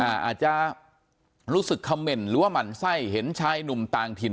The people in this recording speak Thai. อาจจะรู้สึกคำเมนต์หรือว่าหมั่นไส้เห็นชายหนุ่มต่างถิ่น